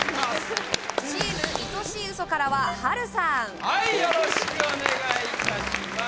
チーム愛しい嘘からは波瑠さんはいよろしくお願いいたします